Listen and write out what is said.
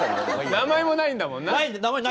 名前もないんだもんな。